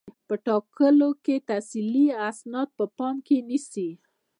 په ټاکلو کې تحصیلي اسناد په پام کې نیسي.